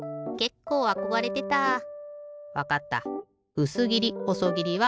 うすぎりほそぎりは